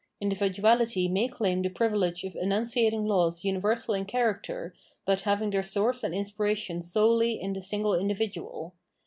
Individuality may claim the privilege of enunciating laws universal in character but having their source and inspiration solely in the single individual.